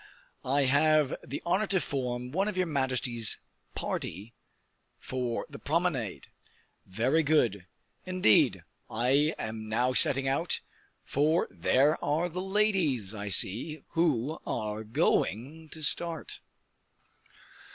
"I have the honor to form one of your majesty's party for the promenade." "Very good; indeed, I am now setting out; for there are the ladies, I see, who are going to start."